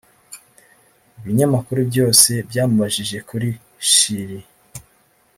Ibinyamakuru byose byamubajije kuri Chilli